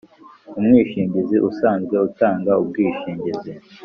Umwishingizi usanzwe utanga ubwishingizi